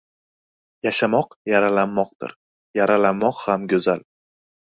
• Yashamoq yaralanmoqdir. Yaralanmoq ham go‘zal.